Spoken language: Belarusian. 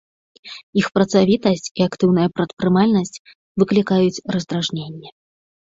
Іх працавітасць і актыўная прадпрымальнасць выклікаюць раздражненне.